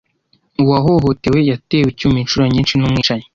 Uwahohotewe yatewe icyuma inshuro nyinshi n’umwicanyi.